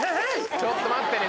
ちょっと待ってねえ